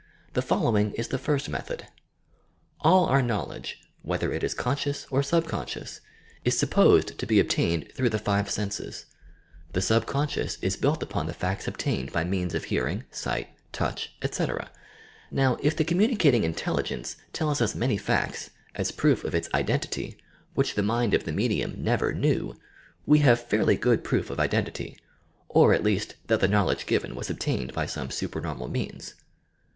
The following U the first method: All our knowledge, whether it is conscious or sub ronscious, is supposed to be obtained through the five 44 YOUR PSYCHIC POWERS senses. The subconscious ia built upon the facts obtained by means of hearing, sight, touch, etc. Now, if the communicating Intelligence tells us many facts (as proof of its identity) which the mind of the medium newer knew, we have fairly good proof of identity — or at least that the knowledge given was obtained by some Bupemonnal means.